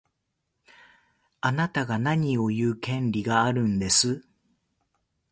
あなたが何を言う権利があるんです。